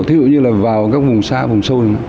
ví dụ như là vào các vùng xa vùng sâu